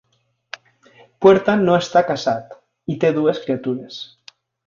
Puerta no està casat i té dues criatures.